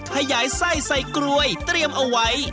ขยายไส้ใส่กรวยเตรียมเอาไว้